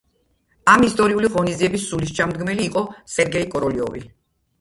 ამ ისტორიული ღონისძიების სულისჩამდგმელი იყო სერგეი კოროლიოვი.